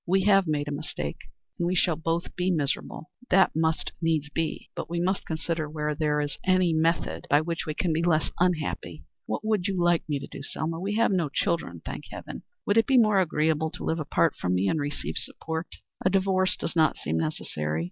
"We have made a mistake and we shall both be miserable that must needs be but we must consider whether there is any method by which we can be less unhappy. What would you like to have me do, Selma? We have no children, thank heaven! Would it be more agreeable to live apart from me and receive support? A divorce does not seem necessary.